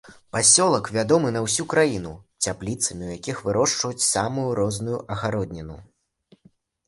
Пасёлак вядомы на ўсю краіну цяпліцамі, у якіх вырошчваюць самую розную агародніну.